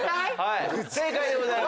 正解でございます。